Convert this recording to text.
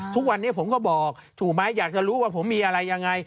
ทุกวันนี้ผมก็บอกถูกไหมอยากจะรู้ว่าผมมีอะไรยังไง